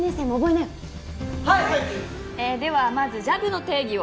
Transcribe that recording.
えーではまずジャブの定義を。